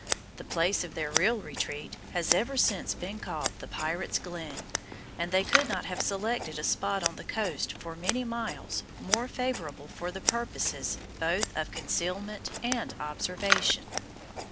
The place of their retreat has ever since been called the Pirates' Glen, and they could not have selected a spot on the coast for many miles, more favorable for the purposes both of concealment and observation.